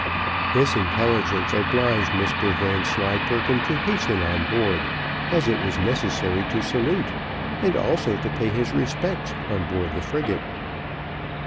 This intelligence obliged Mr Vanslyperken to hasten on board, as it was necessary to salute, and also to pay his respects on board of the frigate.